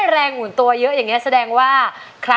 แรงหมุนตัวเยอะอย่างนี้แสดงว่า